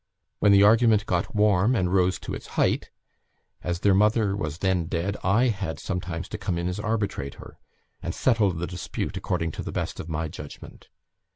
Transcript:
When the argument got warm, and rose to its height, as their mother was then dead, I had sometimes to come in as arbitrator, and settle the dispute according to the best of my judgment.